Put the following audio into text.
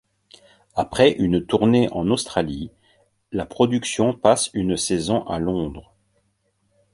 Après une tournée en Australie, la production passe une saison à Londres.